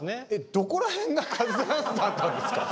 どこら辺がカズダンスだったんですか？